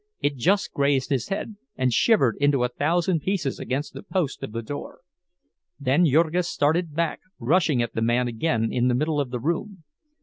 It just grazed his head, and shivered into a thousand pieces against the post of the door. Then Jurgis started back, rushing at the man again in the middle of the room.